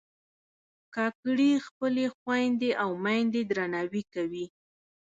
کاکړي خپلې خویندې او میندې درناوي کوي.